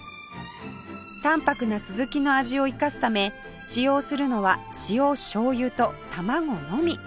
淡泊なスズキの味を生かすため使用するのは塩醤油と卵のみ